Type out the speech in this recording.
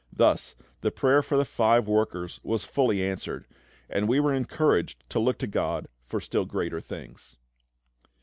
Thus the prayer for the five workers was fully answered; and we were encouraged to look to GOD for still greater things.